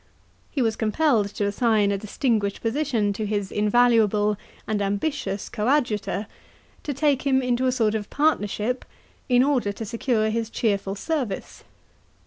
He was compelled to assign a distinguished position to his invaluable and ambitious coadjutor, — to take him into a sort of partnership, — in order to secure his cheerful service.